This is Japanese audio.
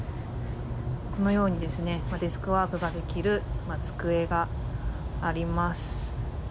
このようにデスクワークができる机があります。